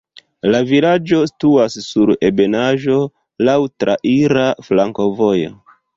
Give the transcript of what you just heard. La vilaĝo situas sur ebenaĵo, laŭ traira flankovojo.